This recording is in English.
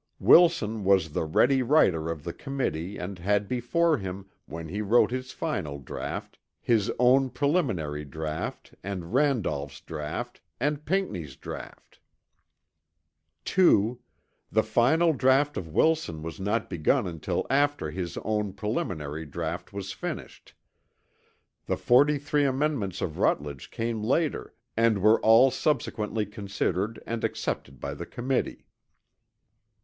Wilson was the ready writer of the Committee and had before him, when he wrote his final draught, his own preliminary draught and Randolph's draught and Pinckney's draught. 2. The final draught of Wilson was not begun until after his own preliminary draught was finished. The 43 amendments of Rutledge came later and were all subsequently considered and accepted by the Committee.